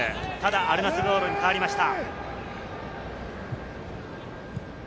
アルナスルボールに変わりました。